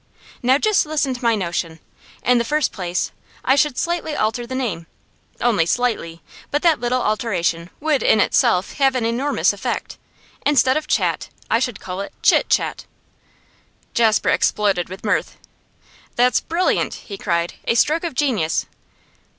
Now just listen to my notion. In the first place, I should slightly alter the name; only slightly, but that little alteration would in itself have an enormous effect. Instead of Chat I should call it Chit Chat!' Jasper exploded with mirth. 'That's brilliant!' he cried. 'A stroke of genius!